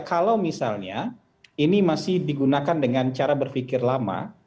kalau misalnya ini masih digunakan dengan cara berpikir lama